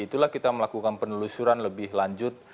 itulah kita melakukan penelusuran lebih lanjut